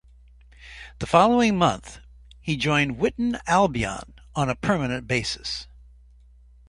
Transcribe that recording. The following month he joined Witton Albion on a permanent basis.